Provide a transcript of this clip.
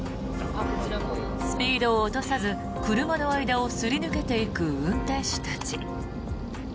スピードを落とさず車の間をすり抜けていく運転手たち。